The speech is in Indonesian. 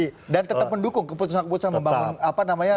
tapi dia juga setuju keputusan keputusan membangun apa namanya